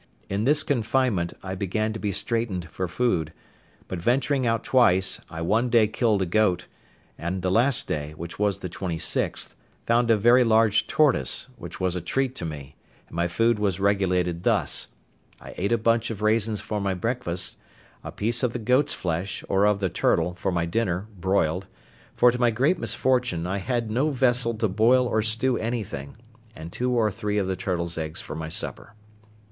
In this confinement, I began to be straitened for food: but venturing out twice, I one day killed a goat; and the last day, which was the 26th, found a very large tortoise, which was a treat to me, and my food was regulated thus: I ate a bunch of raisins for my breakfast; a piece of the goat's flesh, or of the turtle, for my dinner, broiled—for, to my great misfortune, I had no vessel to boil or stew anything; and two or three of the turtle's eggs for my supper.